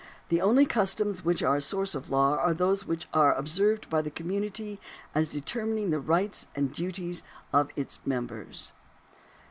The only customs which are a source of law are those which arc observed by the community as determining the rights and duties of its members.